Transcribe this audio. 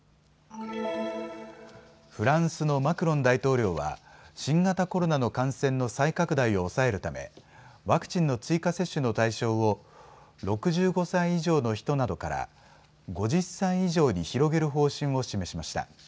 フランスのマクロン大統領は新型コロナの感染の再拡大を抑えるためワクチンの追加接種の対象を６５歳以上の人などから５０歳以上に広げる方針を示しました。